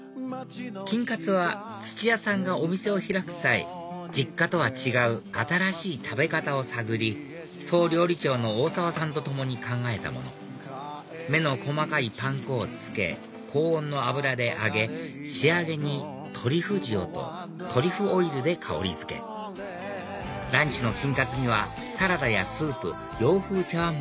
金カツは土屋さんがお店を開く際実家とは違う新しい食べ方を探り総料理長のオオサワさんと共に考えたもの目の細かいパン粉をつけ高温の油で揚げ仕上げにトリュフ塩とトリュフオイルで香りづけランチの金カツにはサラダやスープ洋風茶わん